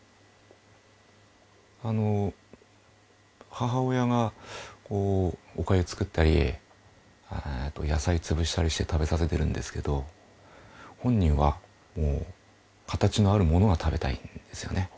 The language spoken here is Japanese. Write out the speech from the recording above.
あの母親がお粥を作ったりあと野菜をつぶしたりして食べさせているんですけど本人はもう形のあるものが食べたいんですよね。